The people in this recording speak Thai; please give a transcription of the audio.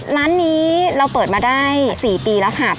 ร้านนี้เราเปิดมาได้๔ปีแล้วค่ะ